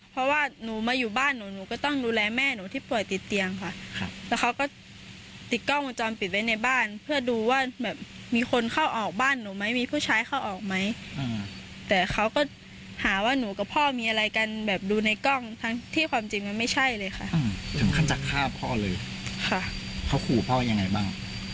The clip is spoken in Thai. เพราะว่าหนูมาอยู่บ้านหนูหนูก็ต้องดูแลแม่หนูที่ป่วยติดเตียงค่ะครับแล้วเขาก็ติดกล้องวงจรปิดไว้ในบ้านเพื่อดูว่าแบบมีคนเข้าออกบ้านหนูไหมมีผู้ชายเข้าออกไหมแต่เขาก็หาว่าหนูกับพ่อมีอะไรกันแบบดูในกล้องทั้งที่ความจริงมันไม่ใช่เลยค่ะถึงขั้นจะฆ่าพ่อเลยค่ะเขาขู่พ่อยังไงบ้าง